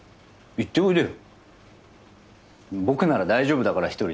行っておいでよ。